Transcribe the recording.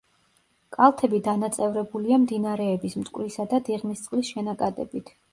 კალთები დანაწევრებულია მდინარეების მტკვრისა და დიღმისწყლის შენაკადებით.